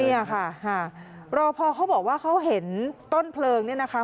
เนี่ยค่ะรอพอเขาบอกว่าเขาเห็นต้นเพลิงเนี่ยนะคะ